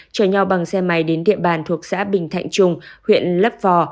chở nhau bằng xe máy đến địa bàn thuộc xã bình thạnh trung huyện lấp vò